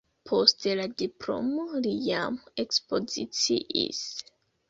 Post la diplomo li jam ekspoziciis.